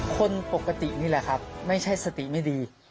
คนปกตินี่แหละครับไม่ใช่สติไม่ดี